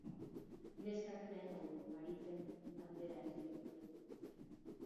Neskak nahiago du Aritzen aldera ez bihurtu.